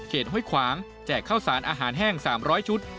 ห้วยขวางแจกข้าวสารอาหารแห้ง๓๐๐ชุด